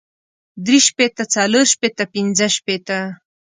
درې شپېته څلور شپېته پنځۀ شپېته